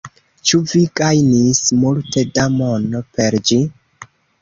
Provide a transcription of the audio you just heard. Ĉu vi gajnis multe da mono per ĝi?